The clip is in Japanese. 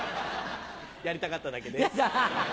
やりたかっただけです。